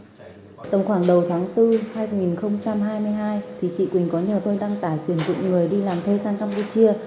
từ khoảng đầu tháng bốn hai nghìn hai mươi hai thì chị quỳnh có nhờ tôi đăng tải tuyển dụng người đi làm thuê sang campuchia